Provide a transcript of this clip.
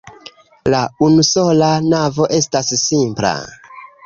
La unusola navo estas simpla.